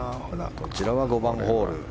こちらは５番ホール。